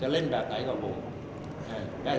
ฮอร์โมนถูกต้องไหม